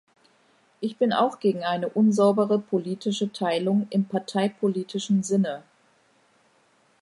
Ich bin auch gegen eine unsaubere politische Teilung im parteipolitischen Sinne.